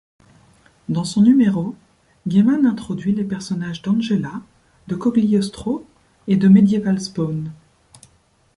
Dans son numéro, Gaiman introduisit les personnages d'Angela, de Cogliostro, et de Medieval Spawn.